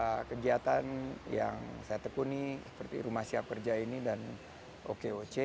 saya punya dua kegiatan yang saya tekuni seperti rumah siap kerja ini dan okoc